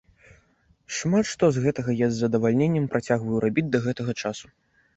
Шмат што з гэтага я з задавальненнем працягваю рабіць да гэтага часу.